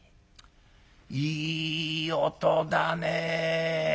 いい音だね。